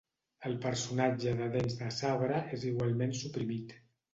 El personatge de Dents de sabre és igualment suprimit.